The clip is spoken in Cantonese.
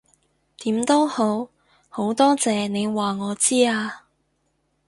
點都好，好多謝你話我知啊